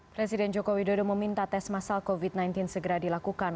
presiden joko widodo meminta tes masal covid sembilan belas segera dilakukan